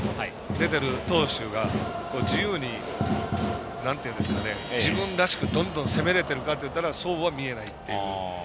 出てる投手が自由に自分らしく、どんどん攻められているかというとそうは見えないっていう。